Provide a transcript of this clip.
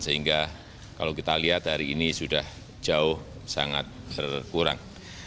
sehingga kalau kita lihat hari ini sudah jauh sangat berkurang